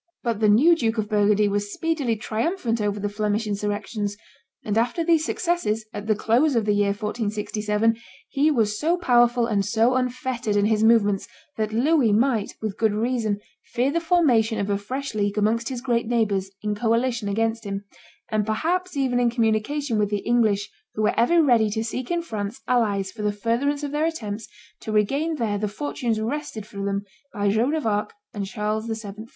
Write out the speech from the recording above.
But the new Duke of Burgundy was speedily triumphant over the Flemish insurrections; and after these successes, at the close of the year 1467, he was so powerful and so unfettered in his movements, that Louis might, with good reason, fear the formation of a fresh league amongst his great neighbors in coalition against him, and perhaps even in communication with the English, who were ever ready to seek in France allies for the furtherance of their attempts to regain there the fortunes wrested from them by Joan of Arc and Charles VII.